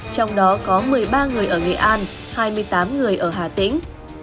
trong đó có một mươi ba người ở nghệ an hai mươi tám người ở hà tĩnh